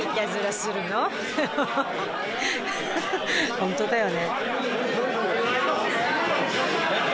ホントだよね。